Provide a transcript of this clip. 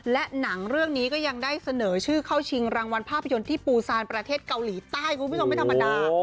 และหนังเรื่องนี้ก็ยังได้เสนอชื่อเข้าชิงรางวัลภาพยนตร์ที่ปูซานประเทศเกาหลีใต้คุณผู้ชมไม่ธรรมดา